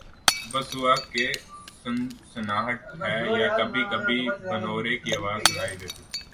بس ہوا کی سنسناہٹ ہے یا کبھی کبھی بھنورے کی آواز سنائی دیتی